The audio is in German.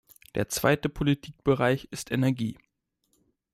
Der zweite Politikbereich ist Energie.